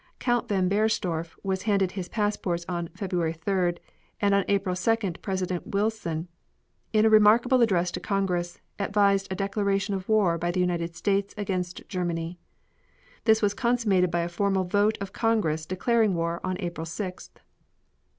Count von Bernstorff was handed his passports on February 3d, and on April 2d President Wilson, in a remarkable address to Congress, advised a declaration of war by the United States against Germany. This was consummated by a formal vote of Congress declaring war on April 6th.